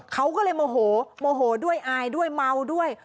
เขาก็เลยโมโหโมโหด้วยอายด้วยเมาด้วย